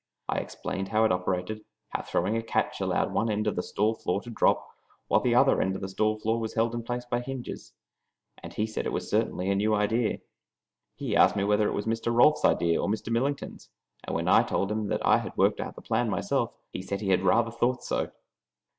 I explained how it operated; how throwing a catch allowed one end of the stall floor to drop, while the other end of the stall floor was held in place by hinges, and he said it was certainly a new idea. He asked me whether it was Mr. Rolfs's idea or Mr. Millington's, and when I told him I had worked out the plan myself, he said he had rather thought so.